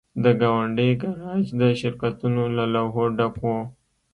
د ګاونډۍ ګراج د شرکتونو له لوحو ډک و